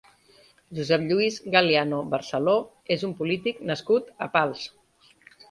Josep Lluís Galiano Barceló és un polític nascut a Pals.